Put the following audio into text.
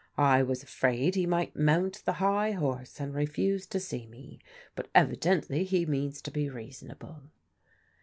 "" I was afraid he might moont the high horse and refuse to see me. Bat evidendy he means to be reasonable."